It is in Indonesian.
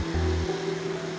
kerajinan rotan yang berbeda